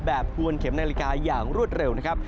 ควรเข็มนาฬิกาอย่างรวดเร็วนะครับ